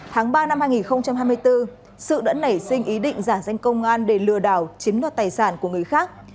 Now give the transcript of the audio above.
tháng ba năm hai nghìn hai mươi bốn sự đã nảy sinh ý định giả danh công an để lừa đảo chiếm đoạt tài sản của người khác